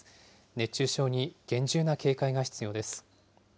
熱中症に厳重な警戒が必要です。